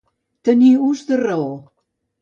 Tenir ús de raó.